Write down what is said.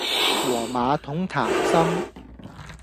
和馬桶談心